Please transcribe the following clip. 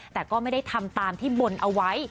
แต่ก็ไม่ได้ทำตามที่บนเอาไว้